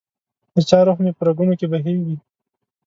دچا روح مي په رګونو کي بهیږي